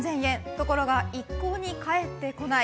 ところが一向に返ってこない。